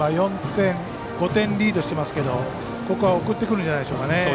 ５点リードしてますけどここは送ってくるんじゃないでしょうか。